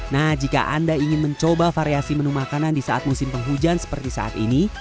nah jika anda ingin mencoba variasi menu makanan di saat musim penghujan seperti saat ini